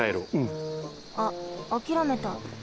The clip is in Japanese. うん。あっあきらめた。